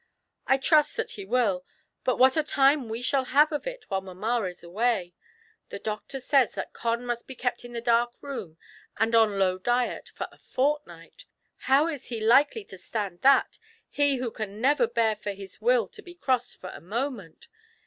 I trust that he will; but what a time we shall have of it while mamma is away ! The doctor says that Con must be kept in a dark room and on low diet for a fort night; how is he likely to stand that, he who can never bear for his will to be crossed for a moment